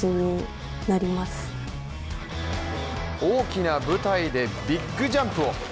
大きな舞台でビッグジャンプを。